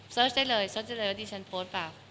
เสิร์ชได้เลยเสิร์ชได้เลยว่าดิฉันโพสต์เปล่า